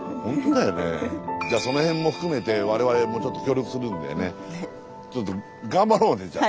じゃあその辺も含めて我々もちょっと協力するんでねちょっと頑張ろうねじゃあ。